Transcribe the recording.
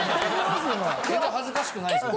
・全然恥ずかしくないですよね・